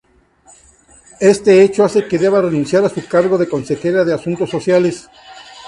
Este hecho hace que deba renunciar a su cargo de Consejera de Asuntos Sociales.